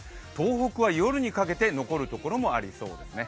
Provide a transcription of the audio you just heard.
東北や夜にかけて残るところもありそうです。